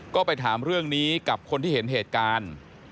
ก็ไปถามเรื่องนี้กับคนที่เห็นเหตุการณ์